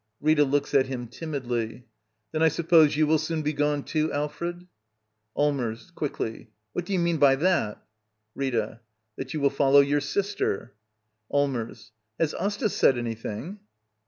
Rita. [Looks at him timidly.] Then I suppose you will soon be gone, too, Alfred? Allmbrs. [Quickly.] What do you mean by thatf Rita. That you will follow your sister. Allmers. Has Asta said anything?